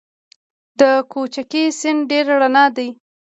د کوکچې سیند ډیر رڼا دی